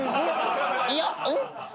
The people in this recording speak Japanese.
いやんっ？